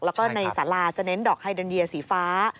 แล้วก็ในสาราจะเน้นดอกไฮดันเดียสีฟ้า